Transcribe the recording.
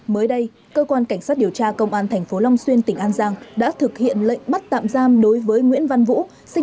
mới đây cơ quan cảnh sát điều tra công an tp long xuyên tỉnh an giang đã thực hiện lệnh bắt tạm giam đối với nguyễn văn vũ